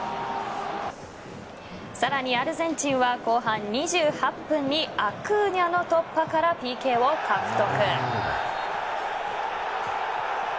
更にアルゼンチンは後半２８分にアクーニャの突破からＰＫを獲得。